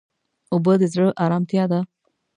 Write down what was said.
اوبه د زړه ارامتیا ده.